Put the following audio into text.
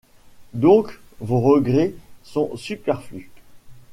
Donc vos regrets sont superflus.